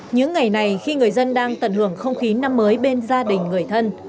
những ngày này khi người dân đang tận hưởng không khí năm mới bên gia đình người thân